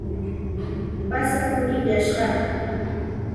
Pasakurillashqaa.